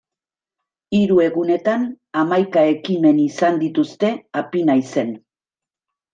Hiru egunetan hamaika ekimen izan dituzte Apinaizen.